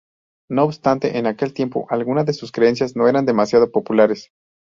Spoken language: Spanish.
No obstante, en aquel tiempo alguna de sus creencias no eran demasiado populares.